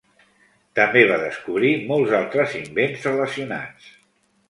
També va descobrir molts altres invents relacionats.